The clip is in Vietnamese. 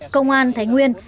công an thái nguyên